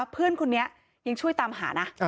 เพื่อนคนนี้ยังช่วยตามหานะ